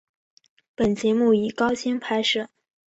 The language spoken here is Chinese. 本节目以高清拍摄。